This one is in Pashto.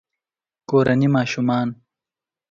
کورني ماشومان